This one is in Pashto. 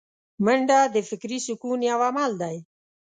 منډه د فکري سکون یو عمل دی